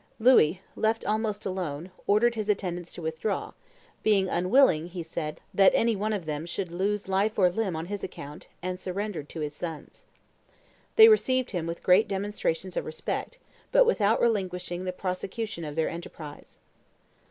Louis, left almost alone, ordered his attendants to withdraw, "being unwilling," he said, "that any one of them should lose life or limb on his account," and surrendered to his sons. They received him with great demonstrations of respect, but without relinquishing the prosecution of their enterprise.